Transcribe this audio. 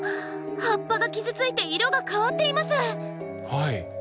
葉っぱが傷ついて色が変わっています。